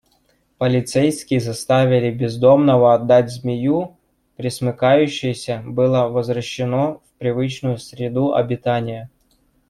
Полицейские заставили бездомного отдать змею, пресмыкающееся было возвращено в привычную среду обитания.